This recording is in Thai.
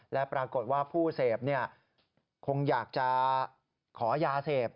และปรากฏว่าผู้เสพคงอยากจะขอยาเสพ